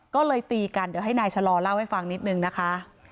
ก็เลยตีกันเดี๋ยวให้นายชะลอเล่าให้ฟังนิดนึงนะคะ